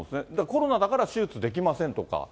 コロナだから手術できませんとか。